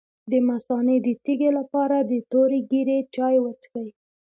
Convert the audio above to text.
د مثانې د تیږې لپاره د تورې ږیرې چای وڅښئ